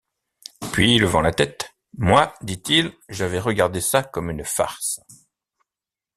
Puis, levant la tête: — Moi, dit-il, j’avais regardé ça comme une farce.